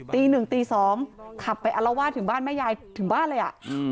ตีหนึ่งตีสองขับไปอารวาสถึงบ้านแม่ยายถึงบ้านเลยอ่ะ